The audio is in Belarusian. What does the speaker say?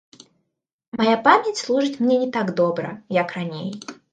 Мая памяць служыць мне не так добра, як раней.